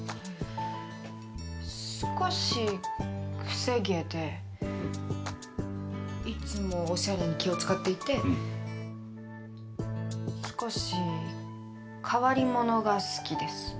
少し癖毛でいつもおしゃれに気を使っていて少し変わり者が好きです。